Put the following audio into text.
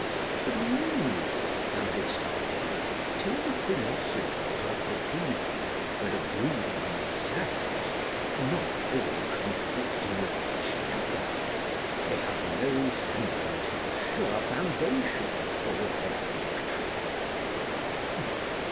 But, mainly, thou didst argue that, till the philosophers of the heathen were agreed among themselves, not all contradicting each the other, they had no semblance of a sure foundation for their doctrine.